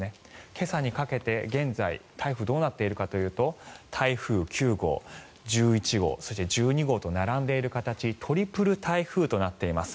今朝にかけて現在台風どうなっているかというと台風９号、１１号そして１２号と並んでいる形トリプル台風となっています。